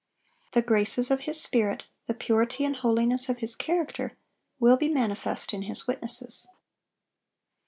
The graces of His Spirit, the purity and holiness of His character, will be manifest in His witnesses.